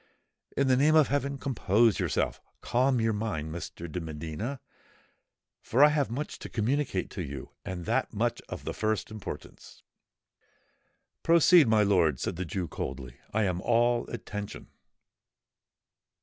"In the name of heaven! compose yourself—calm your mind, Mr. de Medina—for I have much to communicate to you—and that much of the first importance." "Proceed, my lord," said the Jew coldly: "I am all attention."